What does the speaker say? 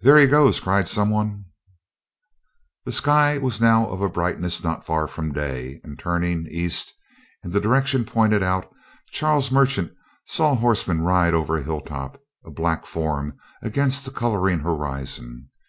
"There he goes!" cried some one. The sky was now of a brightness not far from day, and, turning east, in the direction pointed out, Charles Merchant saw a horseman ride over a hilltop, a black form against the coloring horizon.